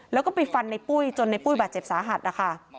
แล้วก็ไปฟันในปุ้ยจนในปุ้ยบาดเจ็บสาหัสนะคะ